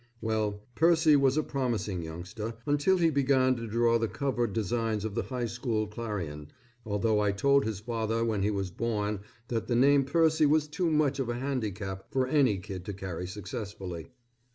Well, Percy was a promising youngster until he began to draw the cover designs of the high school Clarion, although I told his father when he was born that the name Percy was too much of a handicap for any kid to carry successfully.